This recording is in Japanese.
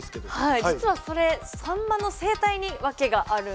はい実はそれサンマの生態に訳があるんです。